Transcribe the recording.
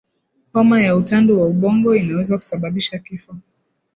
homa ya utandu wa ubongo inaweza kusababisha kifo